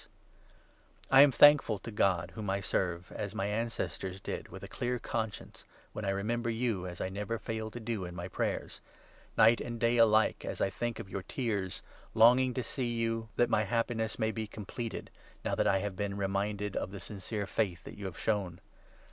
An Appeal to I am thankful to God, whom I serve, as my 3 Timothy, ancestors did, with a clear conscience, when I remember you, as I never fail to do, in my prayers — night and day alike, as I think of your tears, longing to see you, that my 4 happiness may be completed, now that I have been reminded 5 of the sincere faith that you have shown.